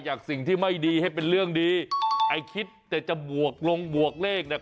สิ่งที่ไม่ดีให้เป็นเรื่องดีไอ้คิดแต่จะบวกลงบวกเลขเนี่ย